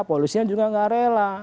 polisinya juga tidak rela